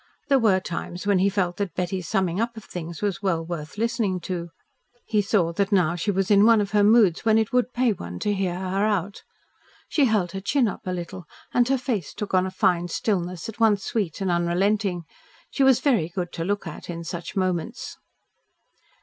There were times when he felt that Betty's summing up of things was well worth listening to. He saw that now she was in one of her moods when it would pay one to hear her out. She held her chin up a little, and her face took on a fine stillness at once sweet and unrelenting. She was very good to look at in such moments.